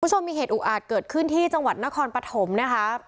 คุณผู้ชมมีเหตุอุอาจเกิดขึ้นที่จังหวัดนครปฐมนะคะ